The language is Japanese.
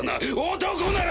男なら！